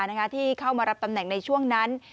นะคะที่เข้ามาตำแหน่งในช่วงนั้น